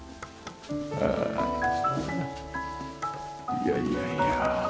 いやいやいや。